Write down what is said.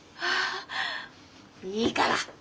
いいから。